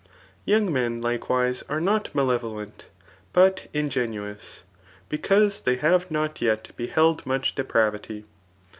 Young men likewise are not malevolent, but ingenuous, because they have not yet beheld much depravity.